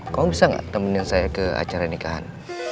kau bisa gak temenin saya ke acara nikahan